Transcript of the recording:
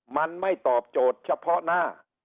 มันไม่ตอบโจทย์เฉพาะหน้า